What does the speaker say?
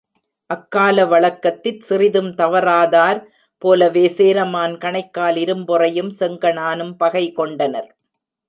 அக்கால வழக்கத்திற் சிறிதும் தவறாதார் போலவே சேரமான் கணைக்கால் இரும்பொறையும், செங்கணானும் பகை கொண்டனர்.